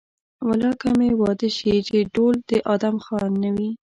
والله که مې واده شي چې ډول د ادم خان نه وي.